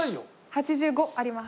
８５あります。